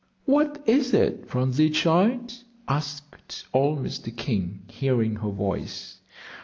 "What is it, Phronsie child?" asked old Mr. King, hearing her voice.